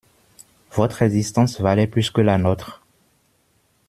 Votre existence valait plus que la nôtre.